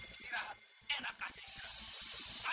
istirahat enak aja istirahat